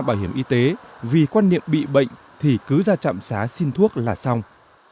bảo hiểm y tế vì quan niệm bị bệnh thì cứ ra trạm xá xin thuốc là xong